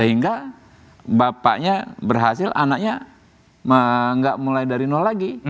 sehingga bapaknya berhasil anaknya nggak mulai dari nol lagi